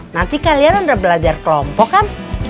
nanti kalian udah belajar kelompok kan